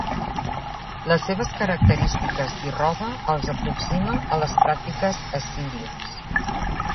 Les seves característiques i roba els aproxima a les pràctiques assíries.